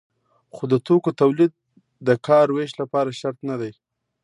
خو د توکو تولید د کار ویش لپاره شرط نه دی.